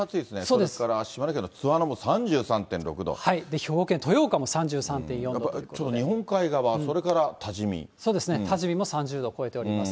それから島根県の津和野も３３．兵庫県豊岡も３３．４度ちょっと日本海側、それからそうですね、多治見も３０度を超えております。